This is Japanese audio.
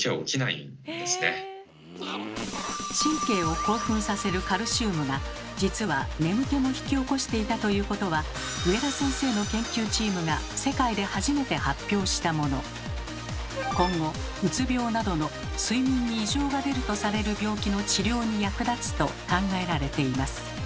神経を興奮させるカルシウムが実は眠気も引き起こしていたということは今後うつ病などの睡眠に異常が出るとされる病気の治療に役立つと考えられています。